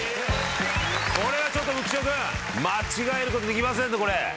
これはちょっと浮所君間違えることできませんね。